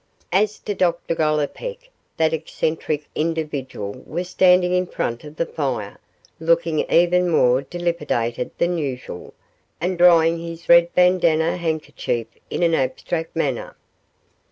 As to Dr Gollipeck, that eccentric individual was standing in front of the fire, looking even more dilapidated than usual, and drying his red bandanna handkerchief in an abstract manner.